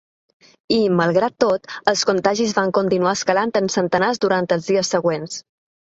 I, malgrat tot, els contagis van continuar escalant en centenars durant els dies següents.